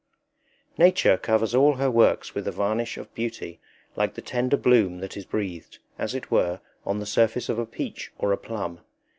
Nature covers all her works with a varnish of beauty, like the tender bloom that is breathed, as it were, on the surface of a peach or a plum.